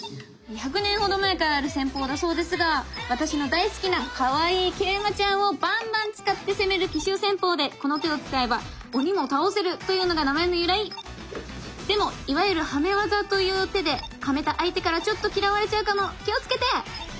１００年ほど前からある戦法だそうですが私の大好きなかわいい桂馬ちゃんをバンバン使って攻める奇襲戦法でこの手を使えば「鬼も倒せる！」というのが名前の由来！でもいわゆる「ハメ技」という手でハメた相手からちょっと嫌われちゃうかも⁉気をつけて！